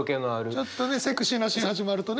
ちょっとねセクシーなシーンが始まるとね。